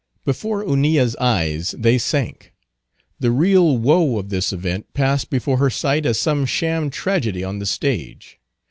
Before Hunilla's eyes they sank. The real woe of this event passed before her sight as some sham tragedy on the stage.